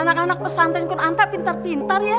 anak anak pesantren pun anta pintar pintar ya